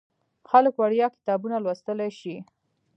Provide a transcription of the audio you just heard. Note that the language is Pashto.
خلک وړیا کتابونه لوستلی شي.